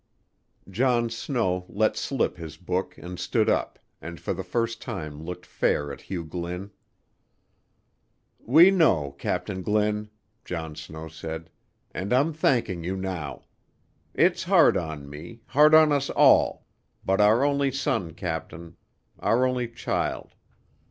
John Snow let slip his book and stood up, and for the first time looked fair at Hugh Glynn. "We know, Captain Glynn," John Snow said, "and I'm thanking you now. It's hard on me, hard on us all our only son, captain our only child.